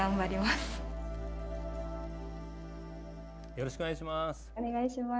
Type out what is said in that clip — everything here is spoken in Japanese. よろしくお願いします。